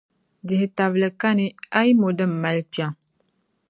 Dihi-tabili kani, a yi mo din mali kpiɔŋ.